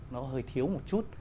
nó hơi thiếu một chút